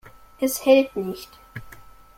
Es hält nicht.